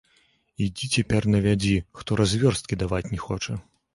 Ідзі цяпер навядзі, хто развёрсткі даваць не хоча.